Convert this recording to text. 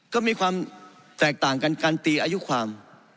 ก็มีความแตกต่างกันการตีอายุความ